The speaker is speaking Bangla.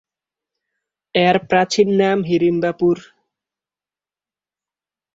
এর প্রাচীন নাম হিড়িম্বাপুর।